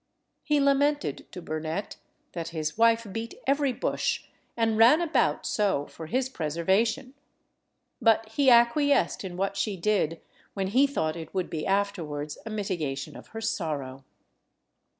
He lamented to Burnet that his wife beat every bush and ran about so for his preservation; but he acquiesced in what she did when he thought it would be afterwards a mitigation of her sorrow.